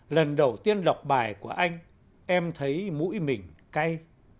lần đầu tiên đọc bài của anh em thấy mũi mình cay